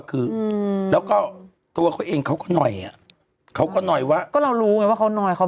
คืออืมแล้วก็ตัวเขาเองเขาก็หน่อยอ่ะเขาก็หน่อยว่าก็เรารู้ไงว่าเขาหน่อยเขา